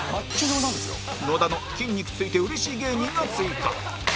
野田の筋肉ついてウレシイ芸人が追加